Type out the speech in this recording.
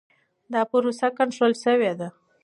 دا پروسه کنټرول شوې ده.